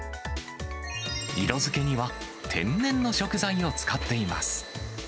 色づけには天然の食材を使っています。